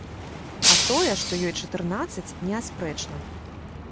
А тое, што ёй чатырнаццаць, неаспрэчна.